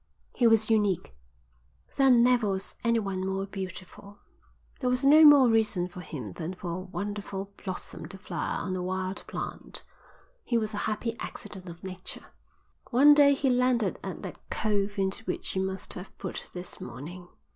"He was unique. There never was anyone more beautiful. There was no more reason for him than for a wonderful blossom to flower on a wild plant. He was a happy accident of nature." "One day he landed at that cove into which you must have put this morning.